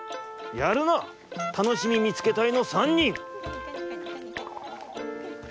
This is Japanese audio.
やるなたのしみみつけたいの３にん！